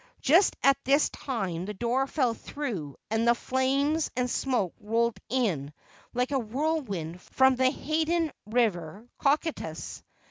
Just at this time the door fell through and the flames and smoke rolled in like a whirlwind from the Hadean river Cocytus.